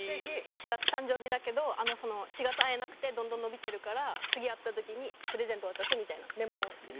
４月誕生日だけど４月会えなくてどんどん延びてるから次会った時にプレゼント渡すみたいなメモです。